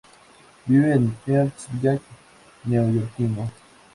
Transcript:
Vive en el East Village neoyorquino.